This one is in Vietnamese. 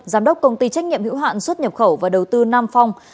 giám đốc công ty trách nhiệm hữu hạn xuất nhập khẩu và đầu tư nam phong